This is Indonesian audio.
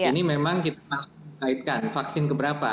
ini memang kita harus mengaitkan vaksin keberapa